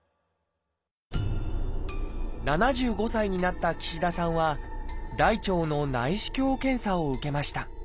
７５歳になった岸田さんは大腸の内視鏡検査を受けました。